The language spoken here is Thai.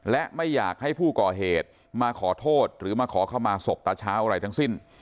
และไม่อยากให้ผู้ก่อเหตุมาขอโทษหรือมาขอเข้ามาศพตาเช้าอะไรทั้งสิ้น